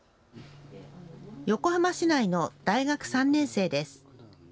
横浜市内の大学３年生です。